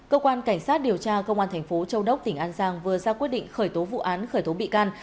cơ quan cảnh sát điều tra công an thành phố châu đốc tỉnh an giang vừa ra quyết định khởi tố vụ án khởi tố bị can